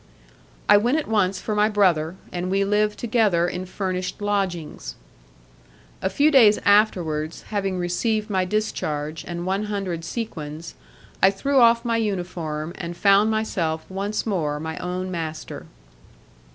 I went at once for my brother, and we lived together in furnished lodgings. A few days afterwards, having received my discharge and one hundred sequins, I threw off my uniform, and found myself once more my own master.